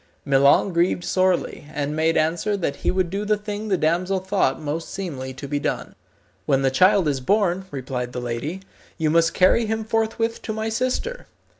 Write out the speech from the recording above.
Milon grieved sorely, and made answer that he would do the thing the damsel thought most seemly to be done. "When the child is born," replied the lady, "you must carry him forthwith to my sister.